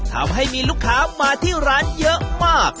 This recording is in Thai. ทำให้มีลูกค้ามาที่ร้านเยอะมาก